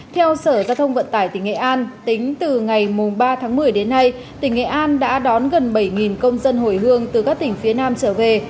theo sở giao thông vận tải tỉnh nghệ an tính từ ngày ba tháng một mươi đến nay tỉnh nghệ an đã đón gần bảy công dân hồi hương từ các tỉnh phía nam trở về